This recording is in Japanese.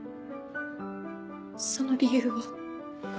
その理由を。